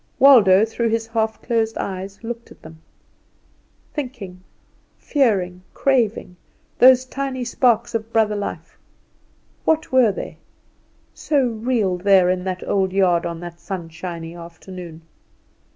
Waldo through his half closed eyes looked at them. Thinking, fearing, craving, those tiny sparks of brother life, what were they, so real there in that old yard on that sunshiny afternoon?